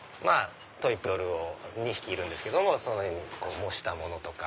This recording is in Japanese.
トイプードルを２匹いるんですけどもその犬を模したものとか。